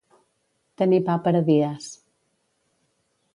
Tenir pa per a dies.